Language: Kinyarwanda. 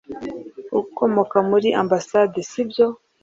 Ukomoka muri ambasade si byo